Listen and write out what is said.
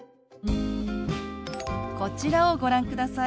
こちらをご覧ください。